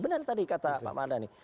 benar tadi kata pak mada nih